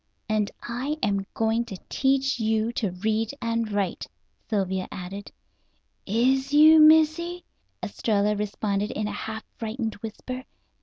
"And I am going to teach you to read and write," Sylvia added. "Is you, Missy?" Estralla responded in a half frightened whisper.